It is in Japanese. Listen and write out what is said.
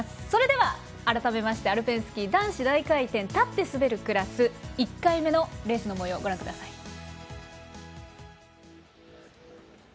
それでは、改めましてアルペンスキー男子大回転、立って滑るクラス１回目のレースの模様をご覧ください。